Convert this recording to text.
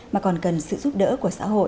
mà còn cần sự giúp đỡ của xã hội